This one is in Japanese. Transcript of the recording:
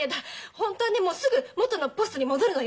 本当はねすぐ元のポストに戻るのよ